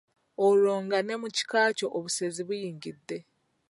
Olwo nga ne mu kika kyo obusezi buyingidde.